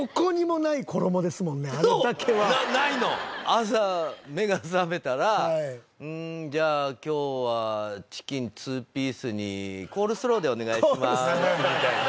朝目が覚めたら「じゃあ今日はチキン２ピースにコールスローでお願いします」みたいな。